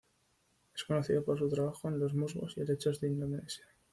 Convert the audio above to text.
Es conocido por su trabajo en los musgos y helechos de Indonesia.